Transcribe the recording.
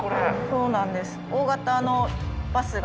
そうなんです。